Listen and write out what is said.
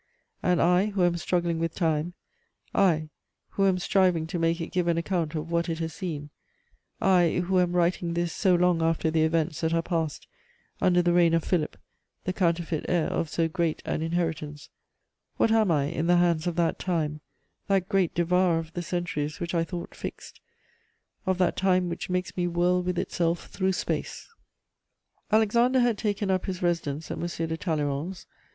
And I, who am struggling with time, I, who am striving to make it give an account of what it has seen, I, who am writing this so long after the events that are past, under the reign of Philip, the counterfeit heir of so great an inheritance, what am I in the hands of that time, that great devourer of the centuries which I thought fixed, of that time which makes me whirl with itself through space? * Alexander had taken up his residence at M. de Talleyrand's.